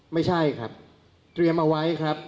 ไม่ใช่ครับเตรียมเอาไว้ครับ